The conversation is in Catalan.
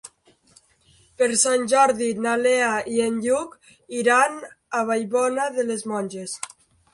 Per Sant Jordi na Lea i en Lluc iran a Vallbona de les Monges.